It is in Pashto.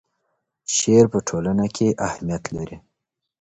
شعر په ټولنه کې اهمیت لري.